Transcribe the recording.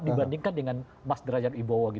dibandingkan dengan mas rajat wibowo